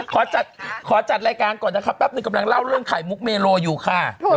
ขอจำคอจัดรายการก่อนนะครับนะครับบอกหลังแล้วเริ่มขายมุกเมโลอยู่ค่ะ